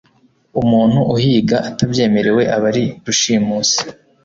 Umuntu uhiga atabyemerewe aba ari rushimusi